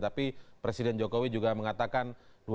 tapi presiden jokowi juga mengatakan